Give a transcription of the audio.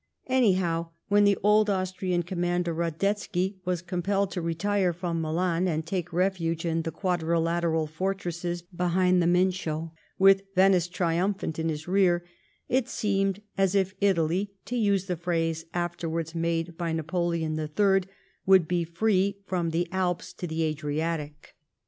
Anyhow, when the old Austrian com mander Badetsky was compelled to retire from Milan, and take refuge in the Quadrilateral fortresses behind the Mincio, with Venice triumphant in his rear, it seemed as if Italy, to use the phrase afterwards made by Napoleon IIL, would be free from the Alps to the Adriatic.